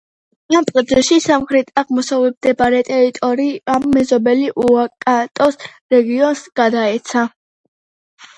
ამ პროცესში, სამხრეთ-აღმოსავლეთში მდებარე ტერიტორია მეზობელ უაიკატოს რეგიონს გადაეცა.